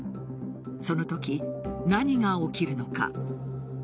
そのとき何が起きるのか。